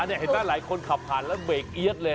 อันนี้เห็นได้หลายคนขับผ่านแล้วเบกเอี๊ยดเลย